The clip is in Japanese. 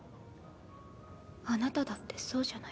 あなただってそうじゃないか。